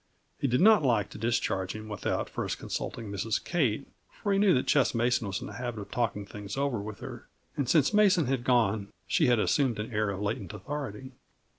He did not like to discharge him without first consulting Mrs. Kate, for he knew that Ches Mason was in the habit of talking things over with her, and since Mason was gone, she had assumed an air of latent authority.